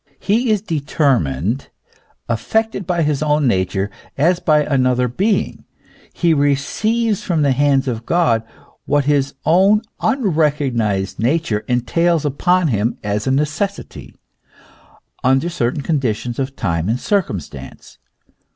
He is determined, affected by his own nature as by another being ; he receives from the hands of God what his own unrecognised nature entails upon him as a necessity, under certain conditions of time and circumstance.